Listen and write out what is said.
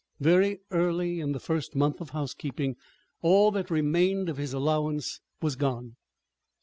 Very early in the first month of housekeeping all that remained of his allowance was gone.